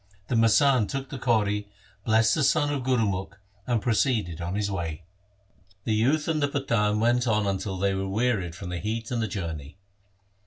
The masand took the kauri, blessed the son of Gurumukh, and proceeded on his way. The youth and the Pathan went on until they were wearied from the heat and the journey.